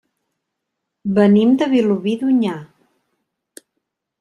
Venim de Vilobí d'Onyar.